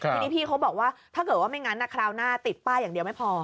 ทีนี้พี่เขาบอกว่าถ้าเกิดว่าไม่งั้นคราวหน้าติดป้ายอย่างเดียวไม่พอ